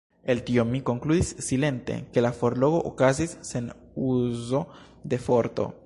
El tio mi konkludis silente, ke la forlogo okazis sen uzo de forto.